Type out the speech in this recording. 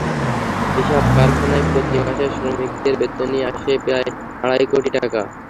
এসব কারখানায় প্রতি মাসে শ্রমিকদের বেতনই আসে প্রায় আড়াই কোটি টাকা।